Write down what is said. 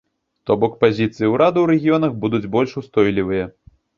То бок, пазіцыі ўраду ў рэгіёнах будуць больш устойлівыя.